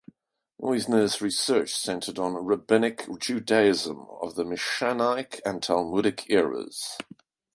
Neusner's research centered on rabbinic Judaism of the Mishnaic and Talmudic eras.